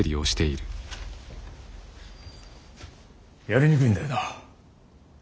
やりにくいんだよなあ。